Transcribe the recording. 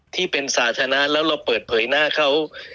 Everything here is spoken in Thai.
ที่เป็นสาธารณะแล้วเราเปิดเผยหน้าเขา